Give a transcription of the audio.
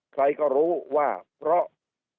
ใครก็รู้ว่าเพราะ